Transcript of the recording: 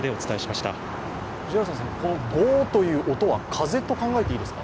ゴーッという音は風と考えていいですか？